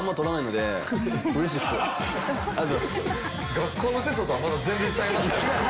学校のテストとはまた全然ちゃいます。